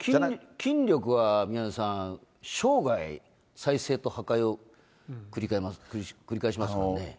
筋力は宮根さん、生涯再生と破壊を繰り返しますからね。